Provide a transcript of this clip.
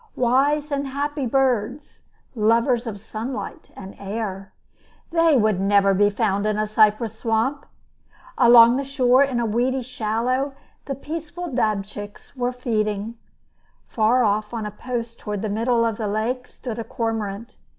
Wise and happy birds, lovers of sunlight and air. They would never be found in a cypress swamp. Along the shore, in a weedy shallow, the peaceful dabchicks were feeding. Far off on a post toward the middle of the lake stood a cormorant.